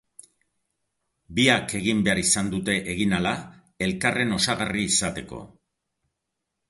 Biak egin behar izan dute eginahala elkarren osagarri izateko.